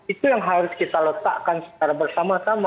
itu yang harus kita letakkan secara bersama sama